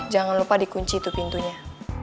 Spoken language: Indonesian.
jangan lupa dikunci itu pintunya